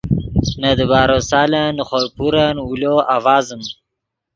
نے دیبارو سالن نے خوئے پورن اولو آڤازیم